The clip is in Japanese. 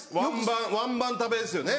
ワンバン食べですよね。